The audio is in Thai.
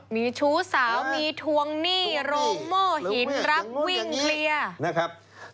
มีชู้สาวมีทวงหนี้โรงเมอร์หินรับวิ่งเคลียร์